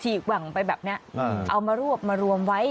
ฉีกวังไปแบบนี้เงินไปแล้วเอามารวบมารวมไว้